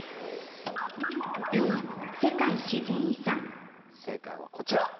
「Ｂ世界自然遺産」正解はこちら。